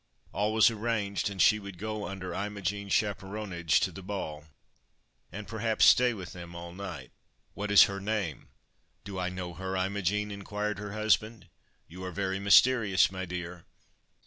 All was arranged, and she would go under Imogen's chaperonage to the ball, and perhaps stay with them all night. "What is her name? Do I know her, Imogen?" inquired her husband. "You are very mysterious, my dear!"